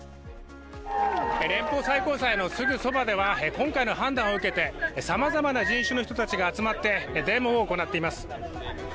連邦最高裁のすぐそばでは、今回の判断を受けてさまざまな人種の人たちが集まってデモを行っています。